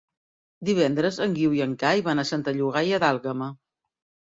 Divendres en Guiu i en Cai van a Santa Llogaia d'Àlguema.